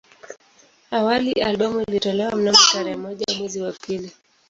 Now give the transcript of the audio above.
Awali albamu ilitolewa mnamo tarehe moja mwezi wa pili